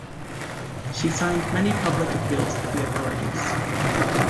She signed many public appeals to the authorities.